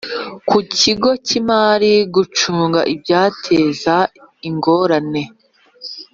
Ku kigo cy imari gucunga ibyateza ingorane